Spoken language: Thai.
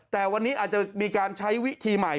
แต่วันนี้อาจจะมีการใช้วิธีใหม่